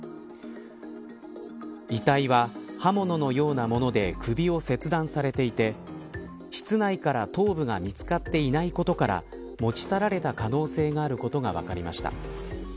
遺体は、刃物のようなもので首を切断されていて室内から頭部が見つかっていないことから持ち去られた可能性があることが分かりました。